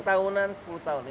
lima tahunan sepuluh tahun